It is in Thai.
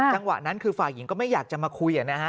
จังหวะนั้นคือฝ่ายหญิงก็ไม่อยากจะมาคุยนะฮะ